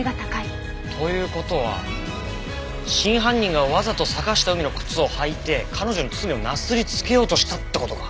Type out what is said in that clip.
という事は真犯人がわざと坂下海の靴を履いて彼女に罪をなすりつけようとしたって事か。